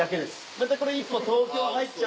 またこれ。